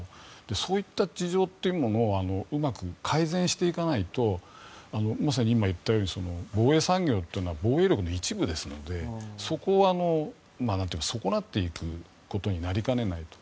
そういった事情をうまく改善していかないとまさに今言ったように防衛産業というのは防衛力の一部ですので損なっていくことになりかねないと。